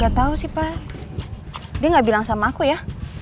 ya tau sih pak dia gak bilang sama aku ya